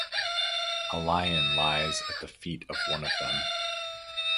A lion lies at the feet of one of them.